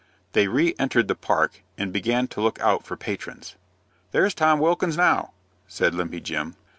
They re entered the park, and began to look out for patrons. "There's Tom Wilkins now," said Limpy Jim.